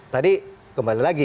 tadi kembali lagi